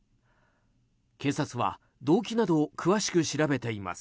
警察は動機などを詳しく調べています。